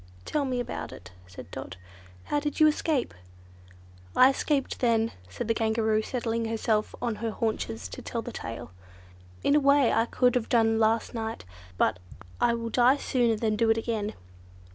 "Tell me all about it," said Dot. "How did you escape?" "I escaped then," said the Kangaroo, settling herself on her haunches to tell the tale, "in a way I could have done last night. But I will die sooner than do it again."